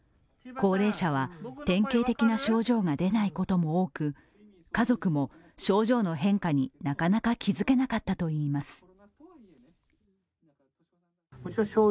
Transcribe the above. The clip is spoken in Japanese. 高齢者は典型的な症状が出ないことも多く家族も症状の変化になかなか気付けなかったといいます。